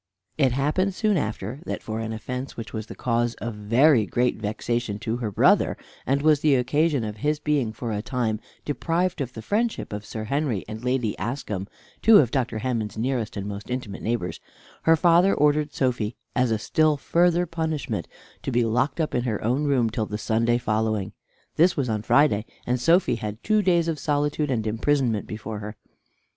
It happened soon after, that for an offence which was the cause of very great vexation to her brother, and was the occasion of his being for a time deprived of the friendship of Sir Henry and Lady Askham, two of Dr. Hammond's nearest and most intimate neighbors, her father ordered Sophy, as a still further punishment, to be locked up in her own room till the Sunday following. This was on Friday, and Sophy had two days of solitude and imprisonment before her.